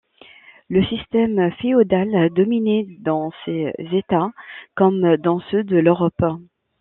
Le système féodal dominait dans ces États, comme dans ceux de l’Europe.